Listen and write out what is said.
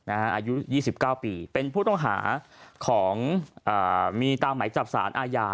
อายุ๒๙ปีเป็นผู้ต้องหาของมีตามไหมจับสารอาญา